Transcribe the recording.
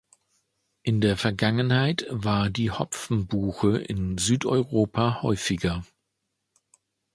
In der Vergangenheit war die Hopfenbuche in Südeuropa häufiger.